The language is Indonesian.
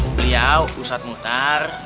beliau ustadz muhtar